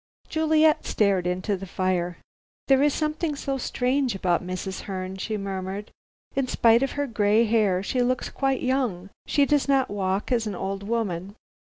Juliet stared into the fire. "There is something so strange about Mrs. Herne," she murmured. "In spite of her gray hair she looks quite young. She does not walk as an old woman.